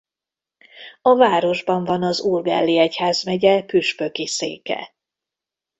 A városban van az Urgelli egyházmegye püspöki széke.